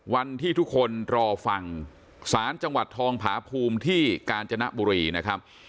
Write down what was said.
วันที่ทุกคนรอฟังศาลจังหวัดทองผาภูมิที่กาญจนบุรีนะครับ